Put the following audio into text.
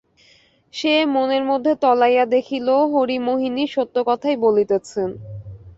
সে মনের মধ্যে তলাইয়া দেখিল হরিমোহিনী সত্য কথাই বলিতেছেন।